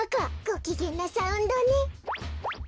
ごきげんなサウンドね。